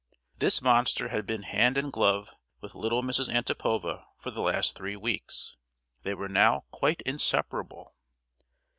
This monster had been hand and glove with little Mrs. Antipova for the last three weeks; they were now quite inseparable.